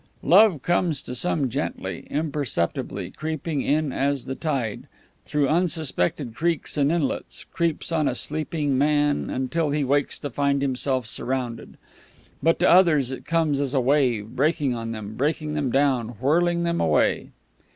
Love comes to some gently, imperceptibly, creeping in as the tide, through unsuspected creeks and inlets, creeps on a sleeping man, until he wakes to find himself surrounded. But to others it comes as a wave, breaking on them, beating them down, whirling them away.